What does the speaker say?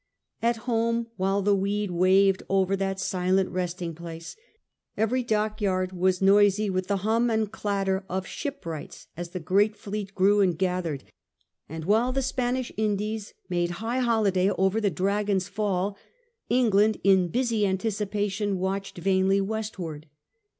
At home, while the weed waved over that silent resting place, every dockyard was noisy with hum and clatter of shipwrights as the great fleet grew and gathered, and while the Spanish Indies made high holiday over the Dragon's fall, England in busy anticipation watched vainly westward.